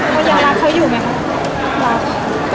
แล้วยังรักเขาอยู่ไหมคะ